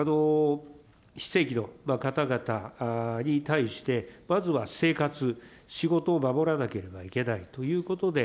非正規の方々に対して、まずは生活、仕事を守らなければいけないということで、